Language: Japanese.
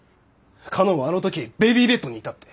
佳音はあの時ベビーベッドにいたって。